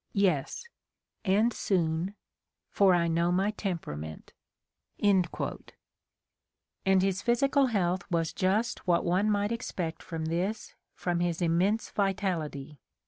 Yes. And soon. For I know my tempera ment"? And his physical health was just what one might Mark Twain's Despair /> expect from this, from his immense vitality.